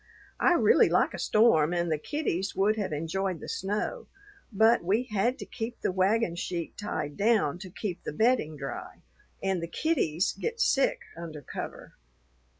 I really like a storm, and the kiddies would have enjoyed the snow; but we had to keep the wagon sheet tied down to keep the bedding dry, and the kiddies get sick under cover.